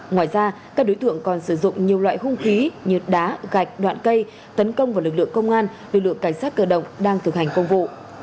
ngoài ra các đối tượng còn sử dụng nhiều loại hung khí như đá gạch đoạn cây tấn công vào lực lượng công an lực lượng cảnh sát cơ động đang thực hành công vụ